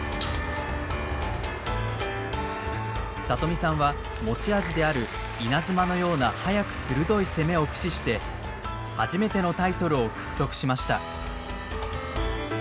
里見さんは持ち味であるイナズマのような早く鋭い攻めを駆使して初めてのタイトルを獲得しました。